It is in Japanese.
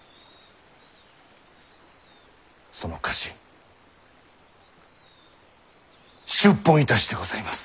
その家臣出奔いたしてございます。